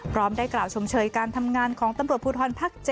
พร้อมได้กล่าวชมเชยการทำงานของตำรวจภูทรภาค๗